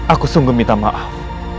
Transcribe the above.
aku sungguh minta maaf